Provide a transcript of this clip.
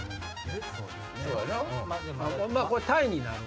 これタイになる。